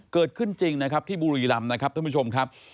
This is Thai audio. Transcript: เกิดขึ้นจริงนะครับที่บุรีรำนะครับท่านผู้ชมครับ